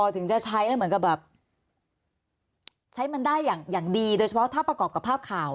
ถึงจะใช้แล้วเหมือนกับแบบใช้มันได้อย่างดีโดยเฉพาะถ้าประกอบกับภาพข่าว